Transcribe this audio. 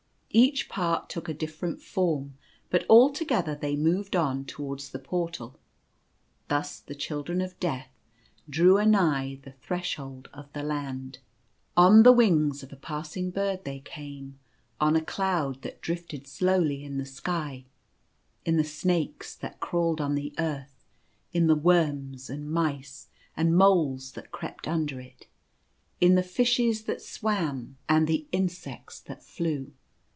Each part took a different form, but all together they moved on towards the Portal. Thus the Children of Death drew a nigh the threshold of the Land. On the wings of a passing bird they came ; on a cloud that drifted slowly in the sky; in the snakes that crawled on the earth — in the worms, and mice, and moles that crept under it; in the fishes that swam and the 1 2 The Lessons to the Dwellers. insects that flew.